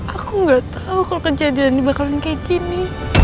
aku gak tau kalau kejadian bakalan kayak gini